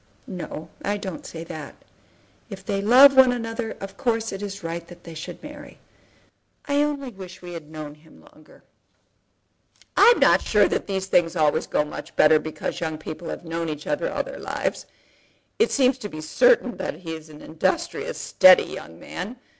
"No; I don't say that. If they love one another of course it is right that they should marry. I only wish we had known him longer." "I am not sure that these things always go much better because young people have known each other all their lives. It seems to be certain that he is an industrious, steady young man.